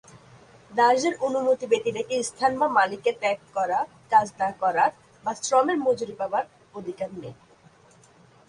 দাসদের অনুমতি ব্যতিরেকে স্থান বা মালিককে ত্যাগ করা, কাজ না করার, বা শ্রমের মজুরি পাবার অধিকার নেই।